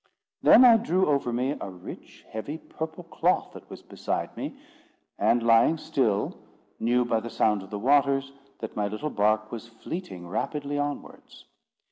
Then I drew over me a rich, heavy, purple cloth that was beside me; and, lying still, knew, by the sound of the waters, that my little bark was fleeting rapidly onwards.